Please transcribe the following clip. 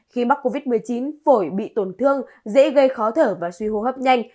khi mắc covid một mươi chín phổi bị tổn thương dễ gây khó thở và suy hô hấp nhanh